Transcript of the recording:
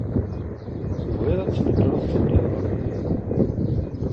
Tebɣiḍ ad tnekṛeḍ teddiḍ ɣer din?